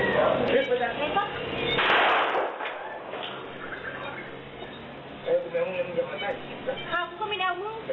ยิงขึ้นมา